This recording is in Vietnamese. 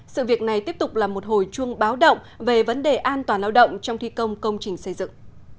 sự việc này tiếp tục là một hồi chuông báo động về vấn đề an toàn lao động trong thi công công trình xây dựng